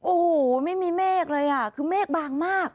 โอ้โหไม่มีเมฆเลยอ่ะคือเมฆบางมาก